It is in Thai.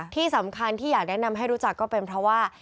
ที่สำคัญที่อยากแนะนำให้รู้จักก็เป็นเพราะว่า